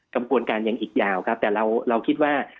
กระบวนการยังอีกยาวครับแต่เราคิดว่า